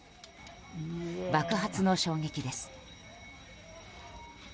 爆発の衝撃です。